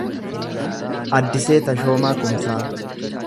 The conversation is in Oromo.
Addisee Taashoomaa Kumsaa